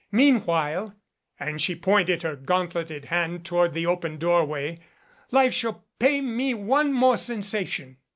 Meanwhile " and she pointed her gauntleted hand toward the open doorway, "life shall pay me one more sensation."